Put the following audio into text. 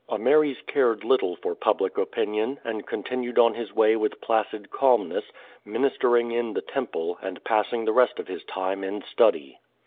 Ameres cared little for public opinion, and continued on his way with placid calmness, ministering in the temple and passing the rest of his time in study.